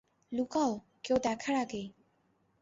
লুকাও, কেউ দেখার আগেই।